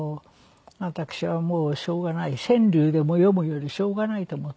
私はもうしょうがない川柳でも詠むよりしょうがないと思って。